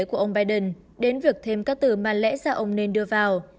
của ông biden đến việc thêm các từ mà lẽ ra ông nên đưa vào